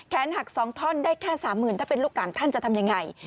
แค้นหักสองท่อนได้แค่สามหมื่นถ้าเป็นลูกหลานท่านจะทำยังไง